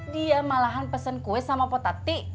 dia malahan pesen kue sama potati